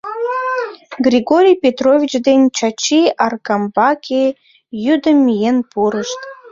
Григорий Петрович ден Чачи Аркамбаке йӱдым миен пурышт.